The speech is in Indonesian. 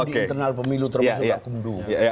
di internal pemilu termasuk akum dulu